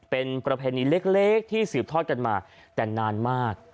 เป็นประเพณีเล็กที่สืบทอดกันมาแต่นานมาก